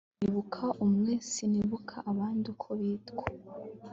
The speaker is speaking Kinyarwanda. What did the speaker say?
Nibuka umwe sinibuka abandi uko bitwa